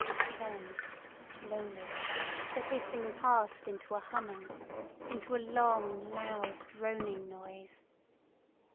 Then slowly the hissing passed into a humming, into a long, loud, droning noise.